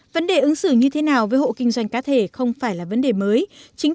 vấn đề ứng xử như thế nào với hộ kinh doanh cá thể không phải là vấn đề mới